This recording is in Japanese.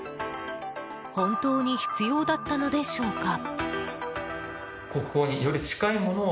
本当に必要だったのでしょうか？